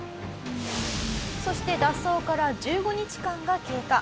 そして脱走から１５日間が経過。